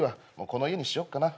この家にしよっかな。